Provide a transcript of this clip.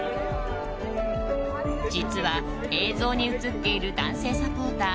実は映像に映っている男性サポーター